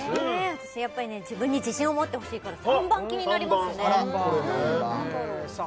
私やっぱりね自分に自信を持ってほしいから３番気になりますねさあ